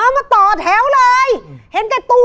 มาต่อแถวเลยเห็นแก่ตัว